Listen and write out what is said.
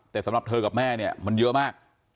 แต่สำหรับเธอกับแม่เนี่ยมันเยอะมาก